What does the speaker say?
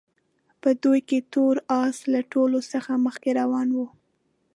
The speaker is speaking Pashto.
په دوی کې تور اس له ټولو څخه مخکې روان وو.